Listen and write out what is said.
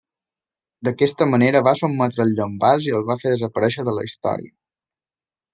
D'aquesta manera va sotmetre els llombards i els va fer desaparèixer de la Història.